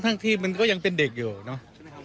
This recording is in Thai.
ทั้งที่มันก็ยังเป็นเด็กอยู่เนาะ